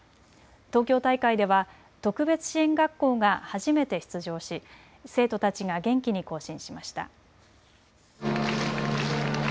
東京大会では特別支援学校が初めて出場し生徒たちが元気に行進しました。